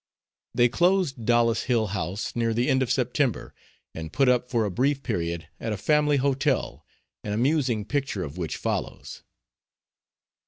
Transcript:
They closed Dollis Hill House near the end of September, and put up for a brief period at a family hotel, an amusing picture of which follows.